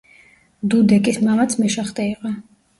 დუდეკის მამაც მეშახტე იყო.